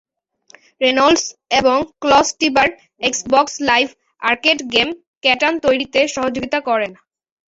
Reynolds এবং Klaus Teuber Xbox Live Arcade game "Catan" তৈরিতে সহযোগিতা করেন।